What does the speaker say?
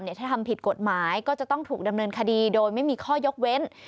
ถ้าทำผิดกฎหมายก็จะต้องถูกดำเนินคดีโดยไม่มีข้อยกเว้น